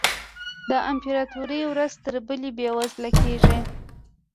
د امپراتوري ورځ تر بلې بېوزله کېږي.